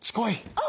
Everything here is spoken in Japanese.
あ！